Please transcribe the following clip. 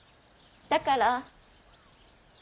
だから。